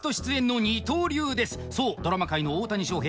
そうドラマ界の大谷翔平。